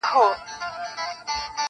دلته هرڅه سودا کیږي څه بازار ته یم راغلی -